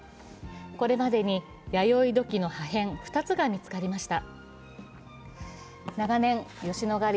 これまでに弥生土器の破片２つが見つかりました。